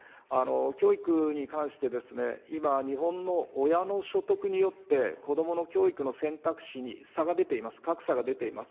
教育に関してですね、今、日本の親の所得によって、子どもの教育の選択肢に差が出ています、格差が出ています。